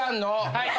はい。